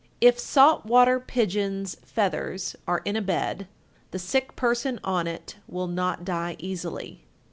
If "salt water pigeons'" feathers are in a bed, the sick person on it will not die easily.